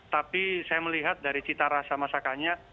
tapi saya melihat dari cita rasa masakannya